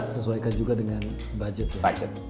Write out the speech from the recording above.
sesuaikan juga dengan budget budget